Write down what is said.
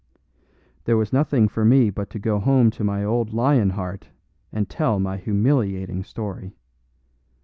There was nothing for me but to go home to my old lion heart and tell my humiliating story.